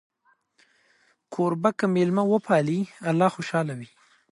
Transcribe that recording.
کوربه که میلمه وپالي، الله خوشحاله وي.